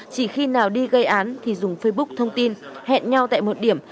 chỉ khi nào đi gây án thì dùng facebook thông tin hẹn nhau tại một điểm